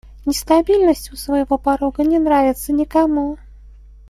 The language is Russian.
Нестабильность у своего порога не нравится никому.